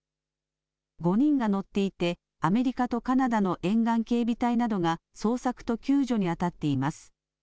５人が乗っていてアメリカとカナダの沿岸警備隊などが捜索と救助にあたっています。